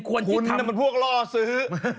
ไหนคุณอะมันพวกล่อซื้อ